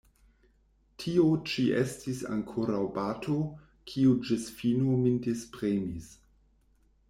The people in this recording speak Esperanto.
Tio ĉi estis ankoraŭ bato, kiu ĝis fino min dispremis.